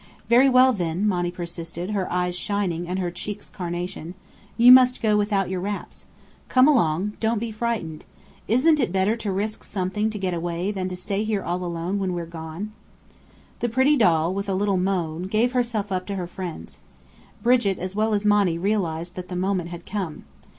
"Very well, then," Monny persisted, her eyes shining and her cheeks carnation, "you must go without your wraps. Come along. Don't be frightened. Isn't it better to risk something to get away than to stay here alone when we're gone?" The pretty doll, with a little moan, gave herself up to her friends. Brigit as well as Monny realized that the moment had come.